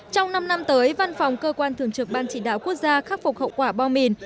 trong năm năm tới văn phòng cơ quan thường trực ban chỉ đạo quốc gia khắc phục hậu quả bom mìn